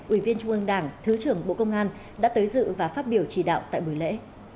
ủy viên trung ương đảng thứ trưởng bộ công an đã tới dự và phát biểu chỉ đạo tại buổi lễ